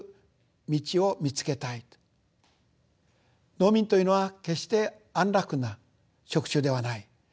農民というのは決して安楽な職種ではない。